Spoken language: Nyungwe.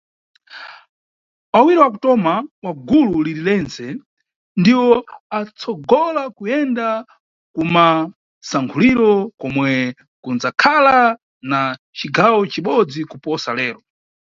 Awiri wakutoma wa gulu liri rentse ndiwo anʼtsogola kuyenda kumasankhuliro, komwe kunʼdzakhala na cigawo cibodzi kuposa lero.